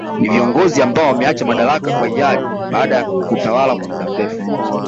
Ni viongozi ambao wameacha madaraka kwa hiari baada ya kutawala kwa muda mrefu